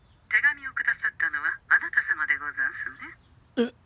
えっ？